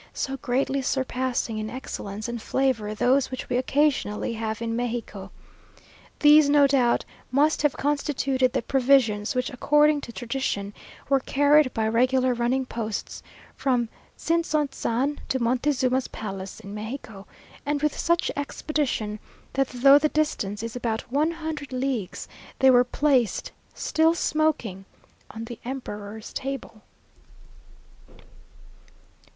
so greatly surpassing in excellence and flavour those which we occasionally have in Mexico. These no doubt must have constituted "the provisions," which according to tradition, were carried by regular running posts, from Tzintzontzan to Montezuma's palace in Mexico, and with such expedition, that though the distance is about one hundred leagues, they were placed, still smoking, on the Emperor's table!